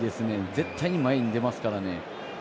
絶対に前に出ますからね。